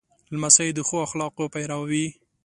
لمسی د ښو اخلاقو پیرو وي.